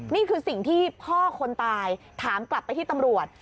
นี่คือสิ่งที่พ่อคนตายถามกลับไปที่ตำรวจ